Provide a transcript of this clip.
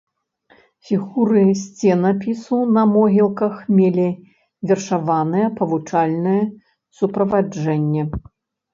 Фігуры сценапісу на могілках мелі вершаванае павучальнае суправаджэнне.